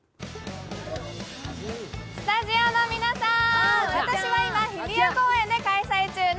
スタジオの皆さん、私は今日比谷公園で開催中の